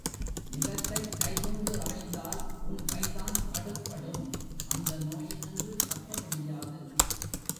நிலத்தைக் கைகொண்டு அறைந்தால் உன் கைதான் வடுப்படும் அந்த நோயினின்று தப்ப முடியாது.